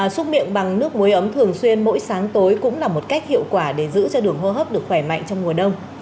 xúc miệng bằng nước muối ấm thường xuyên mỗi sáng tối cũng là một cách hiệu quả để giữ cho đường hô hấp được khỏe mạnh trong mùa đông